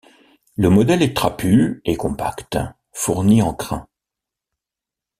Le modèle est trapu et compact, fourni en crins.